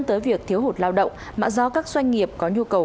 tới việc thiếu hụt lao động mà do các doanh nghiệp có nhu cầu